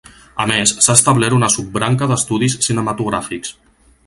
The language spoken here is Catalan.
A més, s'ha establert una sub-branca d'estudis cinematogràfics.